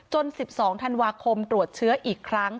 ๑๒ธันวาคมตรวจเชื้ออีกครั้ง